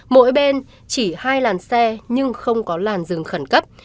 mỗi bên chỉ hai làn xe nhưng không có làn dừng khẩn cấp